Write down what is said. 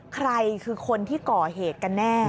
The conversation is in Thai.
ใครคือคนที่ก่อเหตุกันแน่